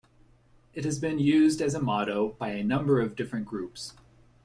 It has been used as a motto by a number of different groups.